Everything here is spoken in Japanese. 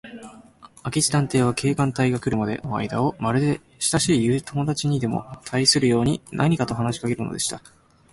明智探偵は、警官隊が来るまでのあいだを、まるでしたしい友だちにでもたいするように、何かと話しかけるのでした。